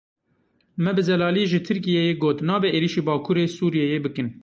Me bi zelalî ji Tirkiyeyê got nabe êrişî bakûrê Sûriyeyê bikin.